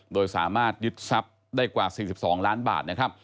โดยสามารถยึดทรัพย์ได้กว่า๔๒ล้านบาทนะครับ